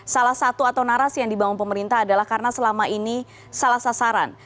salah satu atau narasi yang dibangun pemerintah adalah karena selama ini salah sasaran